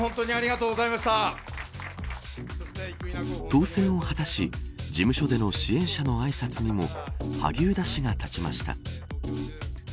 当選を果たし、事務所での支援者のあいさつにも萩生田氏が立ちました。